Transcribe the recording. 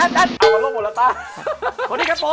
ถูกนั่วความเดช